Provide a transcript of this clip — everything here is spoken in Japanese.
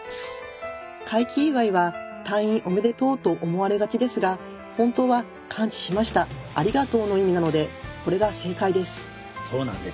快気祝は「退院おめでとう」と思われがちですが本当は「完治しましたありがとう」の意味なのでこれが正解です。